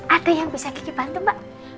ada yang bisa gigi bantu mbak